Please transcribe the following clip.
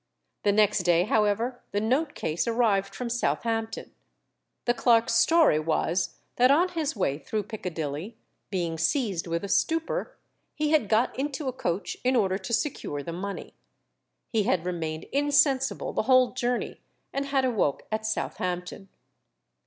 The next day, however, the note case arrived from Southampton. The clerk's story was, that on his way through Piccadilly, being seized with a stupor, he had got into a coach in order to secure the money. He had remained insensible the whole journey, and had awoke at Southampton.